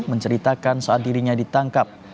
menceritakan saat dirinya ditangkap